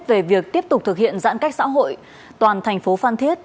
về việc tiếp tục thực hiện giãn cách xã hội toàn thành phố phan thiết